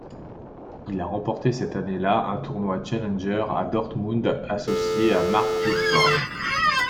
Il a remporté cette année-là un tournoi Challenger à Dortmund associé à Mark Woodforde.